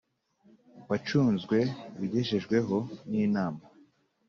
Wacunzwe ibigejejweho n inama